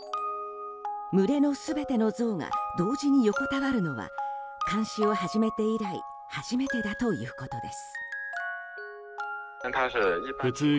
群れの全てのゾウが同時に横たわるのは監視を始めて以来初めてだということです。